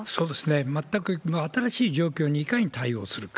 全く新しい状況にいかに対応するか。